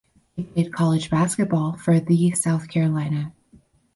He played college basketball for the South Carolina.